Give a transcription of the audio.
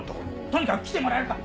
とにかく来てもらえるか？